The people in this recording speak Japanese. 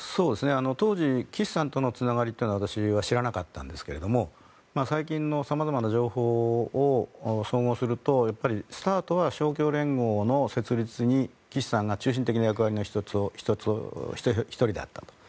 当時岸さんとのつながりというのは私は知らなかったんですけども最近の様々な情報を総合するとスタートは勝共連合の設立に岸さんが中心的な役割の１人だったと。